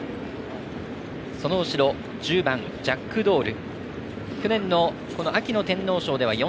その後ろ１０番、ジャックドール。